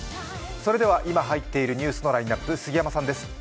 それでは今入っているニュースのラインナップ、杉山さんです。